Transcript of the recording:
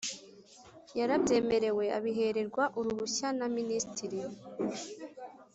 yarabyemerewe abihererwa uruhushya na Minisitiri